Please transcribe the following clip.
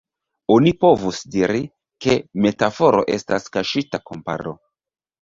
Oni povus diri, ke metaforo estas kaŝita komparo.